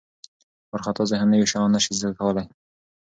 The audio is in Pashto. وارخطا ذهن نوي شیان نه شي زده کولی.